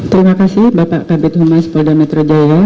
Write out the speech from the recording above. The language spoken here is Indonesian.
terima kasih bapak kabit humas polda metro jaya